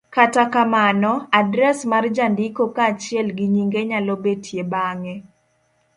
Kata kamano, adres mar jandiko kaachiel gi nyinge nyalo betie bang'e,